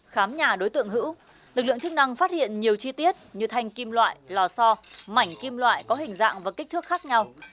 khám nhà đối tượng hữu lực lượng chức năng phát hiện nhiều chi tiết như thanh kim loại lò so mảnh kim loại có hình dạng và kích thước khác nhau